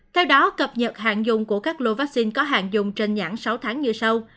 theo đó cập nhật hạn dùng của các lô vaccine có hạn dùng trên nhãn sáu tháng như sau